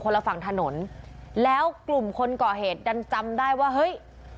ละฝั่งถนนแล้วกลุ่มคนก่อเหตุดันจำได้ว่าเฮ้ย